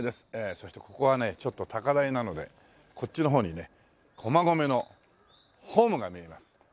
そしてここはねちょっと高台なのでこっちの方にね駒込のホームが見えます。